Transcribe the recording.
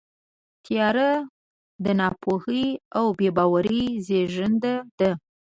تیاره د ناپوهۍ او بېباورۍ زېږنده ده.